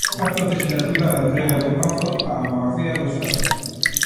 Acto de sinatura da entrega do pazo á Avogacía do Estado.